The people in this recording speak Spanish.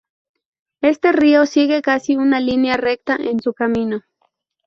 Este río sigue casi una línea recta en su camino.